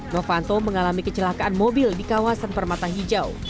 novanto mengalami kecelakaan mobil di kawasan permata hijau